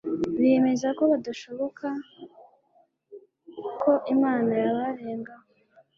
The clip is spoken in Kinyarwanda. Biyemeza ko bidashoboka ko Imana yabarengaho